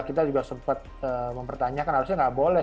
kita juga sempat mempertanyakan harusnya nggak boleh